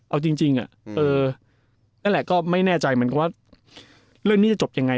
เอาจริงนั่นแหละก็ไม่แน่ใจเหมือนกันว่าเรื่องนี้จะจบยังไง